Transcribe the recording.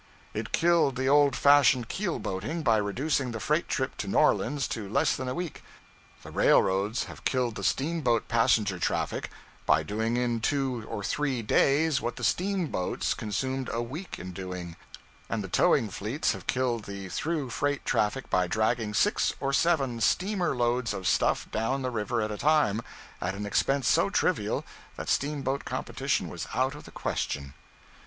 It killed the old fashioned keel boating, by reducing the freight trip to New Orleans to less than a week. The railroads have killed the steamboat passenger traffic by doing in two or three days what the steamboats consumed a week in doing; and the towing fleets have killed the through freight traffic by dragging six or seven steamer loads of stuff down the river at a time, at an expense so trivial that steamboat competition was out of the question.